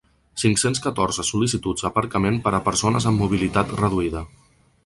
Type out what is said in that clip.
Cinc-cents catorze Sol·licitud aparcament per a persones amb mobilitat reduïda.